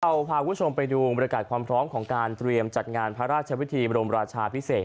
พาคุณผู้ชมไปดูบรรยากาศความพร้อมของการเตรียมจัดงานพระราชวิธีบรมราชาพิเศษ